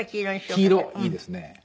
黄色？いいですね。